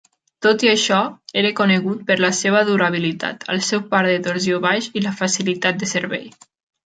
Tot i això, era conegut per la seva durabilitat, el seu par de torsió baix i la facilitat de servei.